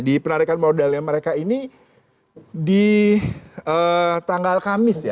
di penarikan modalnya mereka ini di tanggal kamis ya